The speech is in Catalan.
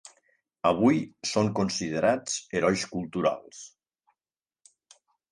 Avui son considerats herois culturals.